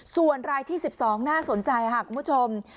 ส่วนรายที่๑๒น่าสนใจค่ะคุณผู้ชม